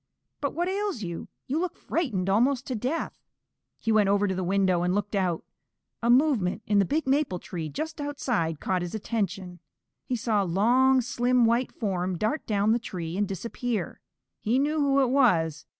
But what ails you? You look frightened almost to death." He went over to the window and looked out. A movement in the big maple tree just outside caught his attention. He saw a long, slim white form dart down the tree and disappear. He knew who it was.